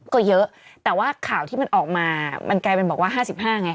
ก็เยอะแต่ว่าข่าวที่มันออกมามันกลายเป็นบอกว่า๕๕ไง